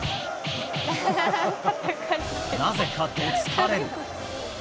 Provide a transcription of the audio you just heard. なぜかどつかれる。